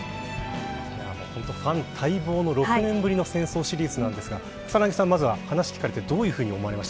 ファン待望の６年ぶりの戦争シリーズなんですが草なぎさん、まずは、話聞かれてどういうふうに思われました。